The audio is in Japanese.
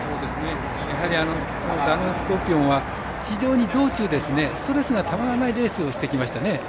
やはりダノンスコーピオンは非常に道中ストレスがたまらないレースをしてきましたね。